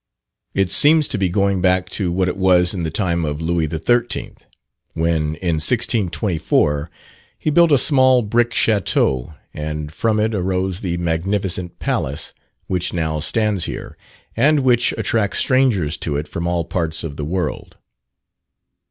It seems to be going back to what it was in the time of Louis XIII., when in 1624 he built a small brick chateau, and from it arose the magnificent palace which now stands here, and which attracts strangers to it from all parts of the world.